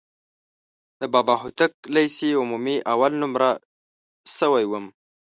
د بابا هوتک لیسې عمومي اول نومره شوی وم.